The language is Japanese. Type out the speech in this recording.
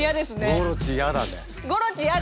「ゴロチ嫌だ」。